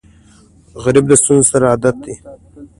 غریب د ستونزو سره عادت لري